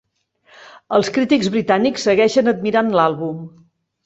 Els crítics britànics segueixen admirant l'àlbum.